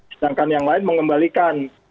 sedangkan yang lain mengembalikan